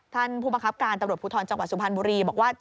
ท่านภูมิคับการตำรวจภูทรจังหวัดสุภัณฑ์บุรีบอกว่า